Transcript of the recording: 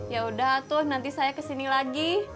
ya udah tuh nanti saya kesini lagi